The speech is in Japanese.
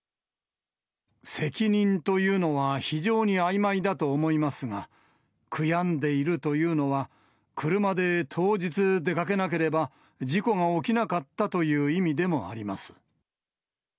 責任というのは非常にあいまいだと思いますが、悔やんでいるというのは、車で当日出かけなければ、事故が起きなかったという意味でもあります。